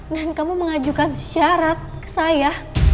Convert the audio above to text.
dan kamu mengajukan syarat ke saya